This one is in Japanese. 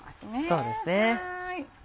そうですね。